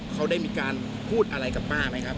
เขาได้มีการพูดอะไรกับป้าไหมครับ